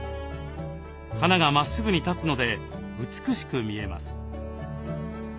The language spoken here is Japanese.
花がまっすぐに立つので美しく見えます。